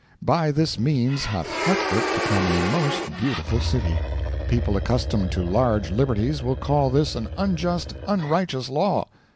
By this means hath Hartford become a most beautiful city. People accustomed to large liberties will call this an unjust, unrighteous law.